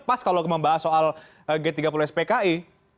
pas kalau membahas soal g tiga puluh spki